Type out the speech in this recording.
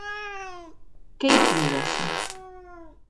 Qu’ei pro d’açò.